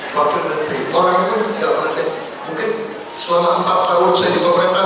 pokoknya menteri orang itu gak pernah saya mungkin selama empat tahun saya dikompetan